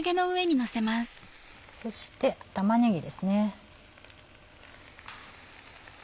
そして玉ねぎですね。